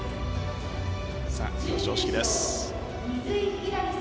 表彰式です。